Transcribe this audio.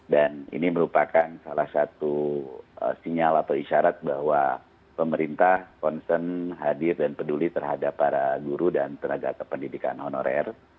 dan ini merupakan salah satu sinyal atau isyarat bahwa pemerintah konsen hadir dan peduli terhadap para guru dan tenaga kependidikan honorer